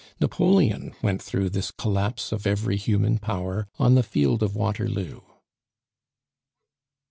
Napoleon went through this collapse of every human power on the field of Waterloo.